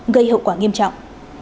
gây hậu quả nghiêm trọng